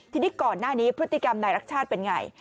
ทีนี้ก่อนหน้านี้พฤติกรรมนายรักชาติเป็นไง